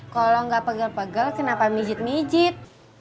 kalau gak pegal pegal kenapa mijit mijit